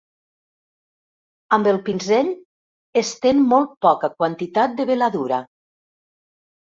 Amb el pinzell, estén molt poca quantitat de veladura.